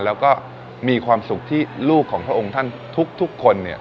แล้วก็มีความสุขที่ลูกของพระองค์ท่านทุกคนเนี่ย